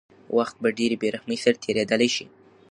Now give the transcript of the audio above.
وخت په ډېرې بېرحمۍ سره تېرېدلی شي.